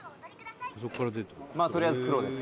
「とりあえず黒ですわ」